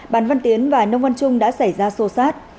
bản văn tiến và nông văn trung đã xảy ra xô xát